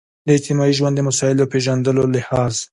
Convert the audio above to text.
د اجتماعي ژوند د مسایلو پېژندلو لحاظ.